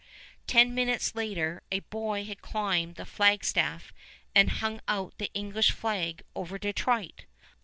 Ten minutes later, a boy had climbed the flagstaff and hung out the English flag over Detroit.